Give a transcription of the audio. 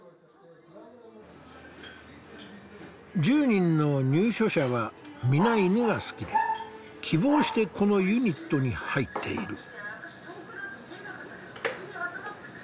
１０人の入所者は皆犬が好きで希望してこのユニットに入っている。